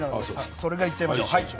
そのぐらいいっちゃいましょう。